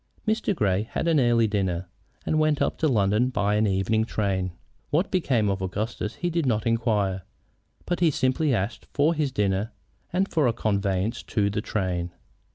Mr. Grey had an early dinner and went up to London by an evening train. What became of Augustus he did not inquire, but simply asked for his dinner and for a conveyance to the train.